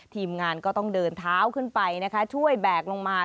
ทีมงานก็ต้องเดินเท้าขึ้นไปนะคะช่วยแบกลงมา